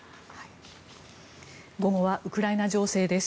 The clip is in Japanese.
午後はウクライナ情勢です。